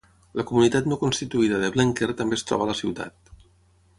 La comunitat no constituïda de Blenker també es troba a la ciutat.